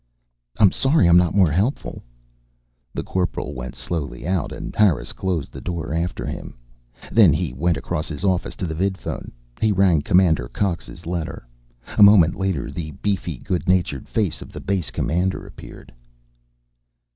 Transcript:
"I'm sorry I'm not more helpful." The Corporal went slowly out and Harris closed the door after him. Then he went across his office to the vidphone. He rang Commander Cox's letter. A moment later the beefy good natured face of the Base Commander appeared.